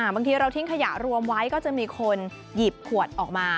บางทีเราทิ้งขยะรวมไว้ก็จะมีคนหยิบขวดออกมา